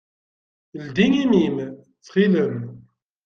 Ldi imi-m, ttxil-m!